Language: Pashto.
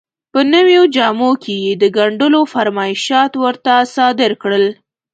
په نویو جامو کې یې د ګنډلو فرمایشات ورته صادر کړل.